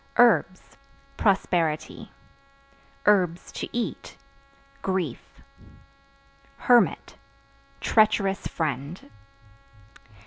Herbs Prosperity; (to eat) grief. Hermit Treacherous friend.